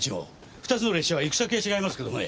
２つの列車は行く先は違いますけどもね